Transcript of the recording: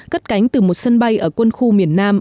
cất cánh từ một sân bay ở quân khu miền nam